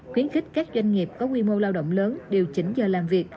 khuyến khích các doanh nghiệp có quy mô lao động lớn điều chỉnh giờ làm việc